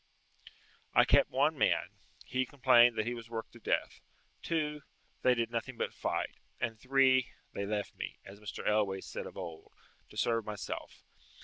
I kept one man; he complained that he was worked to death: two they did nothing but fight; and three they left me, as Mr. Elwes said of old, to serve myself.